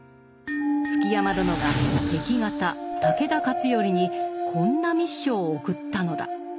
築山殿が敵方武田勝頼にこんな密書を送ったのだ。